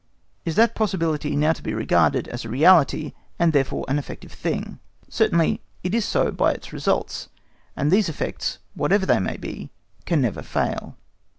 Is that possibility now to be regarded as a reality and therefore an effective thing? Certainly, it is so by its results, and these effects, whatever they may be, can never fail.